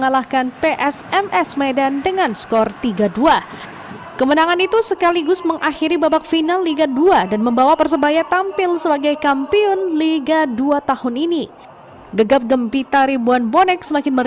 lagi lagi ribuan bonek